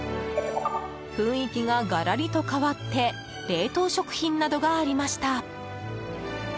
雰囲気が、ガラリと変わって冷凍食品などがありました。